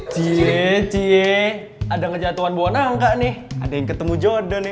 cie cie ada ngejatuhan bonang nggak nih ada yang ketemu jodoh nih